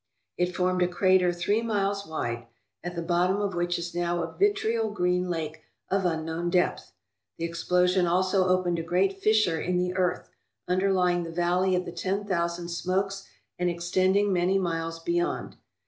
It formed a crater three miles wide, at the bottom of which is now a vitriol green lake of unknown depth. The ex plosion also opened a great fissure in the earth, underlying the Valley of the Ten Thousand Smokes and extending many miles beyond.